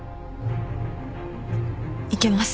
いけます。